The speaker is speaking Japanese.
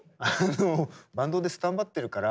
バンドでスタンバってるから。